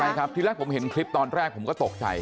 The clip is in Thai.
ใช่ครับที่แรกผมเห็นคลิปตอนแรกผมก็ตกใจ